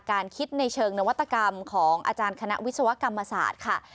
คิดในเชิงนวัตกรรมของอาจารย์คณะวิศวกรรมศาสตร์ค่ะ